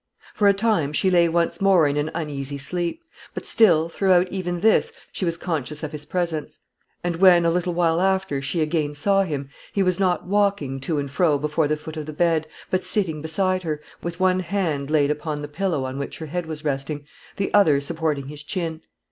For a time she lay once more in an uneasy sleep; but still, throughout even this, she was conscious of his presence; and when, a little while after, she again saw him, he was not walking to and fro before the foot of the bed, but sitting beside her, with one hand laid upon the pillow on which her head was resting, the other supporting his chin.